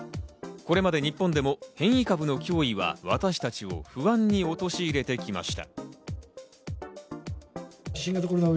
これまで日本でも変異株の脅威は私たちを不安に陥れてきました。